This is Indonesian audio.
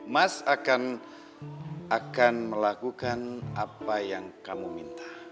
mas akan melakukan apa yang kamu minta